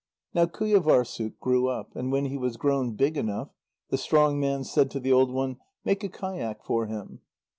Now Qujâvârssuk grew up, and when he was grown big enough, the strong man said to the old one: "Make a kayak for him."